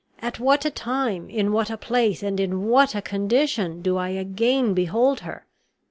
at what a time, in what a place, and in what a condition do I again behold her!"